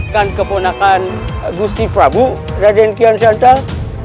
kan keponakan gusti prabu raden kian santang